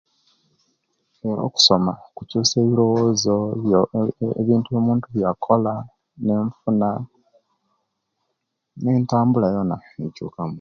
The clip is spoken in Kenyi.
Okusoma kyusiya ebiroozo ebyo ebintu omuntu biyakola nefuna ne entambula yona ekyuka